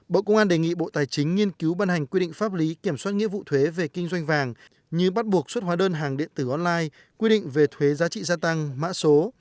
bộ công an đề nghị bộ tài chính nghiên cứu ban hành quy định pháp lý kiểm soát nghĩa vụ thuế về kinh doanh vàng như bắt buộc xuất hóa đơn hàng điện tử online quy định về thuế giá trị gia tăng mã số